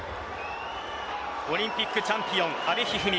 オリンピックチャンピオン阿部一二三